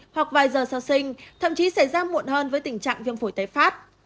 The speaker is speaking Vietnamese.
hoặc vài giờ sau sinh thậm chí xảy ra muộn hơn với tình trạng viêm phổi tái phát